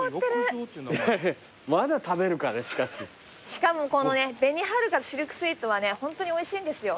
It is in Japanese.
しかもこのね紅はるかシルクスウィートはねホントにおいしいんですよ。